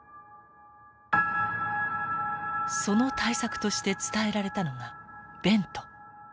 その対策として伝えられたのがベント。